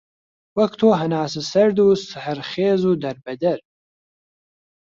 وەک تۆ هەناسەسەرد و سەحەرخێز و دەربەدەر